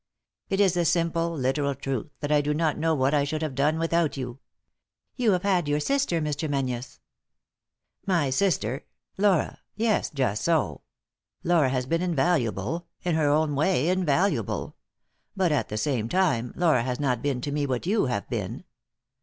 It is the simple, literal truth that I do not know what I should have done without you." " You have had your sister, Mr. Menzies." " My sister ?— Laura ?— yes ; just so. Laura has been invaluable ; in her own way, invaluable. But, at the same time, Laura has not been to me what you have been."